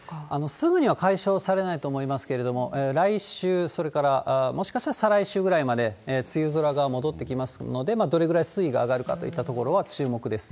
すぐには解消されないと思いますけれども、来週、それから、もしかしたら再来週ぐらいまで梅雨空が戻ってきますので、どれぐらい水位が上がるかといったところは注目です。